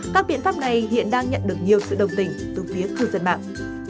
các biện pháp này hiện đang nhận được nhiều sự đồng tình từ phía cư dân mạng